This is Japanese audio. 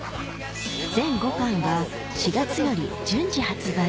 全５巻が４月より順次発売